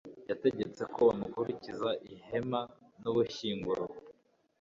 yategetse ko bamukurikiza ihema n'ubushyinguro